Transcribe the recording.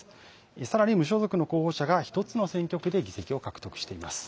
さらに無所属の候補者が１つの選挙区で議席を獲得しています。